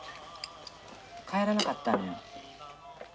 帰らなかったのよ。